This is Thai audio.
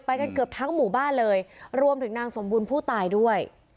กันเกือบทั้งหมู่บ้านเลยรวมถึงนางสมบูรณ์ผู้ตายด้วย